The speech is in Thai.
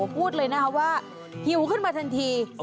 พูดเลยนะคะว่าหิวขึ้นมาทันที